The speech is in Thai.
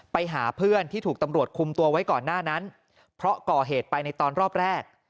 ไปหาเพื่อนที่ถูกตำรวจคุมตัวไว้ก่อนหน้านั้นเพราะก่อเหตุไปในตอนรอบแรก